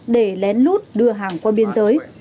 để lén lút đưa hàng qua biên giới